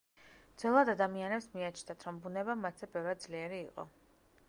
ძველად ადამიანებს მიაჩნდათ რომ ბუნება მათზე ბევრად ძლიერი იყო.